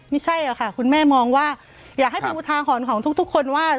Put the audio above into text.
ไม่ใช่ค่ะคุณแม่มองว่าอยากให้เป็นอุทาหรณ์ของทุกคนว่า